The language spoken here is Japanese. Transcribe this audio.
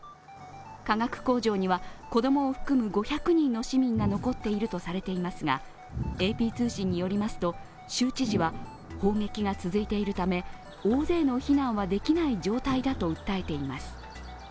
化学工場には子供を含む５００人の市民が残っているとされていますがＡＰ通信によりますと、州知事は砲撃が続いているため、大勢の避難はできない状態だと訴えています。